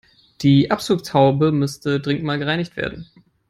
Die Abzugshaube müsste dringend mal gereinigt werden.